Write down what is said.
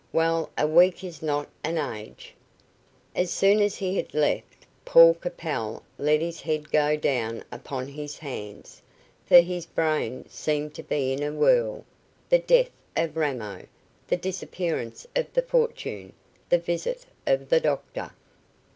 "Well, a week is not an age." As soon as he had left, Paul Capel let his head go down upon his hands, for his brain seemed to be in a whirl the death of Ramo the disappearance of the fortune the visit of the doctor.